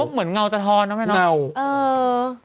เหมือนเงาจทรนะแม่น้อง